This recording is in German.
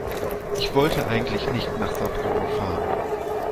Ich wollte eigentlich nicht nach Saarbrücken fahren